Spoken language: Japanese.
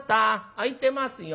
開いてますよ。